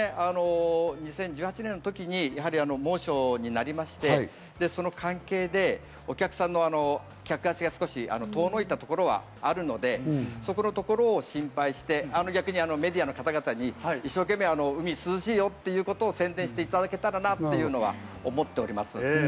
２０１８年の時に猛暑になりまして、その関係でお客さんの客足が少し遠のいたところはあるので、そこのところを心配して、逆にメディアの方々に一生懸命、海、涼しいよということを宣伝していただけたらなというのは思っております。